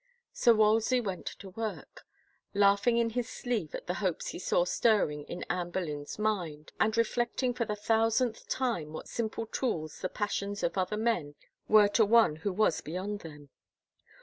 So Wolsey went to work, laughing in his sleeve at the hopes he saw stirring in Anne Boleyn's mind, and reflect ing for the thousandth time what simple tools the pas sions of other men were to one who was beyond them.